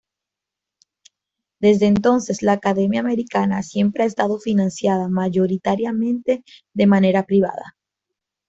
Desde entonces, la Academia Americana siempre ha estado financiada mayoritariamente de manera privada.